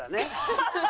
ハハハハ！